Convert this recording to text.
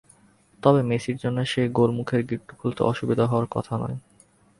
তবে মেসির জন্য সেই গোলমুখের গিট্টু খুলতে অসুবিধা হওয়ার কথা নয়।